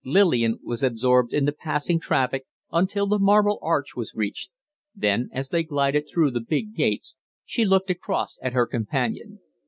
Lillian was absorbed in the passing traffic until the Marble Arch was reached; then, as they glided through the big gates, she looked across at her companion.